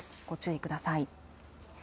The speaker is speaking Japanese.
ご注意ください。